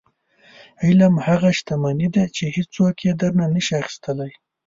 • علم هغه شتمني ده چې هیڅوک یې درنه نشي اخیستلی.